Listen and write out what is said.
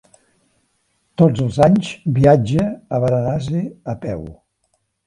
Tots els anys viatja a Varanasi a peu.